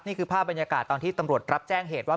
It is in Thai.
นี่คือภาพบรรยากาศตอนที่ตำรวจรับแจ้งเหตุว่า